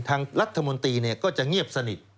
ทางรัฐมนตรีก็จะเงียบสนิท